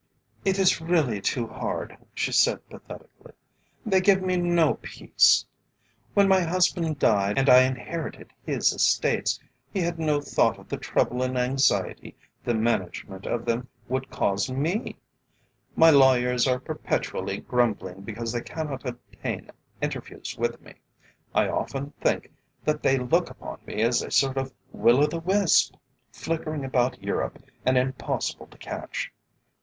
"It is really too hard," she said pathetically; "they give me no peace. When my husband died and I inherited his estates, he had no thought of the trouble and anxiety the management of them would cause me. My lawyers are perpetually grumbling because they cannot obtain interviews with me. I often think that they look upon me as a sort of Will o' the Wisp, flickering about Europe, and impossible to catch.